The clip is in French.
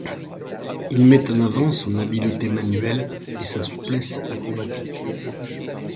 Il met en avant son habileté manuelle et sa souplesse acrobatique.